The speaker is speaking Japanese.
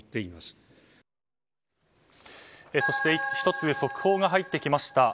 １つ速報が入ってきました。